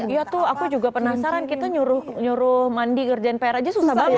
ya tuh aku juga penasaran kita nyuruh mandi kerjaan pr aja susah banget ya